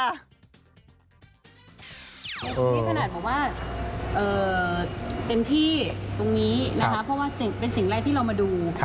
นี่ขนาดบอกว่าเต็มที่ตรงนี้นะคะเพราะว่าเป็นสิ่งแรกที่เรามาดู